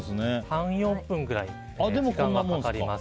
３４分くらい時間がかかります。